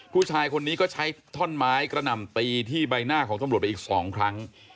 ผู้ชายคนนี้ก็ใช้ท่อนไม้กระหน่ำตีที่ใบหน้าของตำรวจไปอีก๒ครั้ง